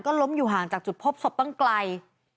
ล้มอยู่ห่างจากจุดพบศพตั้งไกล